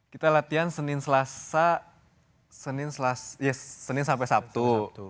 kita latihan senin selasa ya senin sampai sabtu